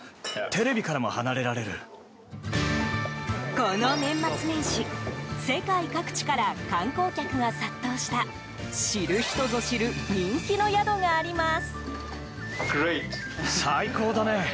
この年末年始世界各地から観光客が殺到した知る人ぞ知る人気の宿があります。